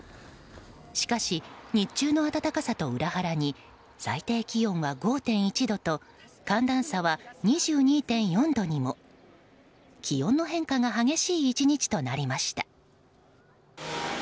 しかし日中の暖かさと裏腹に最低気温は５．１度と寒暖差は、２２．４度にも。気温の変化が激しい１日となりました。